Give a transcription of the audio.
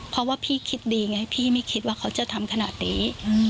เพราะว่าพี่คิดดีไงพี่ไม่คิดว่าเขาจะทำขนาดนี้